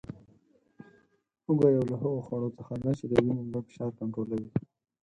هوګه یو له هغو خوړو څخه دی چې د وینې لوړ فشار کنټرولوي